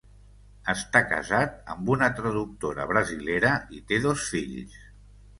Està casat amb una traductora brasilera i té dos fills.